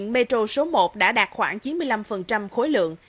metro số một đã đạt khoảng chín mươi năm khối lượng